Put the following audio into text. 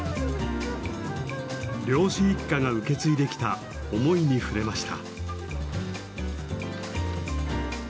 漁師一家が受け継いできた思いに触れました。